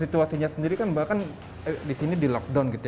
situasinya sendiri kan mbak kan di sini di lockdown gitu ya